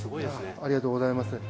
ありがとうございます。